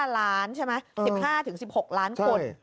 ๕ล้านใช่ไหม๑๕๑๖ล้านคน